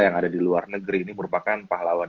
yang ada di luar negeri ini merupakan pahlawan